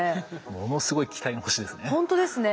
ものすごい期待の星ですね。